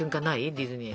ディズニー。